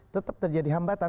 tetap terjadi hambatan